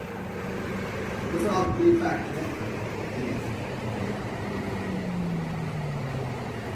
Det får allt bli färdknäppen, det, greven.